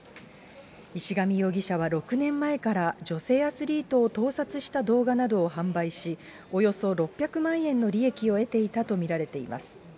石上容疑者は６年前から女性アスリートを盗撮した動画などを販売し、およそ６００万円の利益を得ていたと見られています。